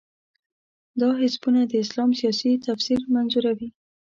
دا حزبونه د اسلام سیاسي تفسیر منظوروي.